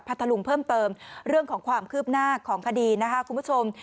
เพื่อเพิ่มเรื่องของความคืบหน้าของคดีนะฮะคุณผู้ชม